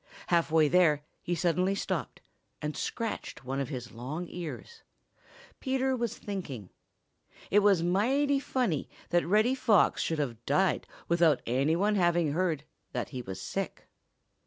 Half way there he suddenly stopped and scratched one of his long ears. Peter was thinking. It was mighty funny that Reddy Fox should have died without any one having heard that he was sick.